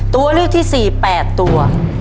ตัวเลือกที่สี่แปดตัว